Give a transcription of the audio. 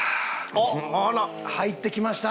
入ってきました。